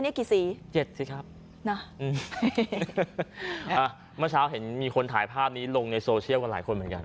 กี่สีเจ็ดสิครับน่ะอืมอ่าเมื่อเช้าเห็นมีคนถ่ายภาพนี้ลงในโซเชียลกันหลายคนเหมือนกัน